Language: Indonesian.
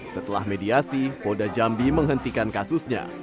setelah mediasi polda jambi menghentikan kasusnya